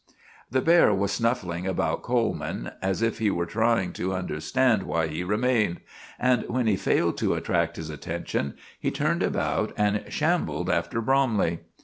The bear was snuffing about Coleman as if he were trying to understand why he remained; and when he failed to attract his attention, he turned about and shambled after Bromley.